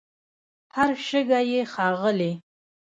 هر شګه یې ښاغلې